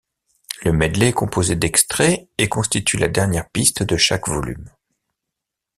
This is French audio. Le medley est composé d'extraits et constitue la dernière piste de chaque volume.